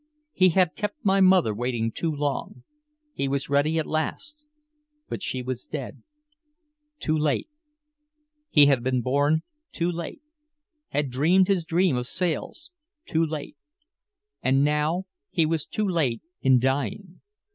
He had kept my mother waiting too long, he was ready at last but she was dead. Too late. He had been born too late, had dreamed his dream of sails too late, and now he was too late in dying.